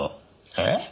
えっ？